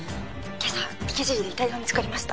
☎今朝池尻で☎遺体が見つかりました